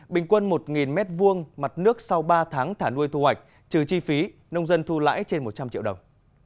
bình quân một m hai mặt nước sau ba tháng thả nuôi thu hoạch trừ chi phí nông dân thu lãi trên một trăm linh triệu đồng